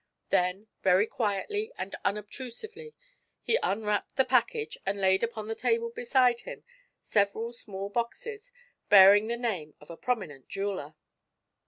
Then very quietly and unobtrusively he unwrapped the package and laid upon the table beside him several small boxes bearing the name of a prominent jeweler.